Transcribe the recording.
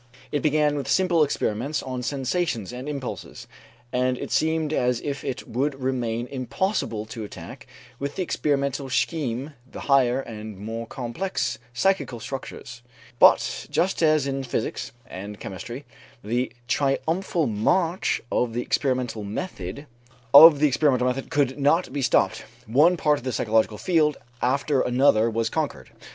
It began with simple experiments on sensations and impulses, and it seemed as if it would remain impossible to attack with the experimental scheme the higher and more complex psychical structures. But just as in physics and chemistry the triumphal march of the experimental method could not be stopped, one part of the psychological field after another was conquered.